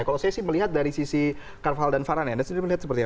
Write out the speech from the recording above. kalau saya melihat dari sisi carvalho dan varane anda sendiri melihat seperti apa